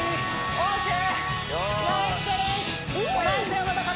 オーケー！